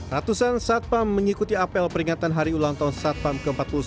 ratusan satpam mengikuti apel peringatan hari ulang tahun satpam ke empat puluh satu